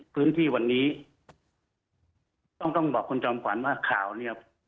พื้นที่วันนี้ต้องต้องบอกคุณจอมขวัญว่าข่าวเนี่ย